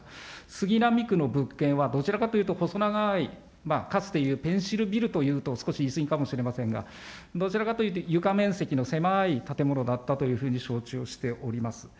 杉並区の物件はどちらかというと細長い、かつていうペンシルビルというと、少し言い過ぎかもしれませんが、どちらかというと、床面積の狭い建物だったというふうに承知をしております。